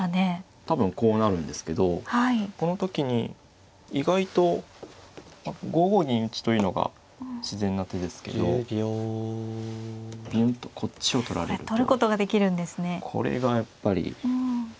多分こうなるんですけどこの時に意外と５五銀打というのが自然な手ですけどビュンとこっちを取られるとこれがやっぱり。